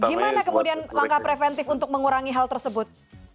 gimana kemudian langkah preventif untuk mengurangi hal tersebut